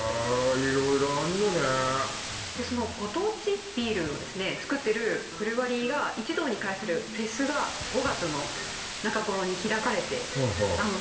色々あるのねでそのご当地ビールをつくってるブルワリーが一堂に会するフェスが５月の中頃に開かれてはい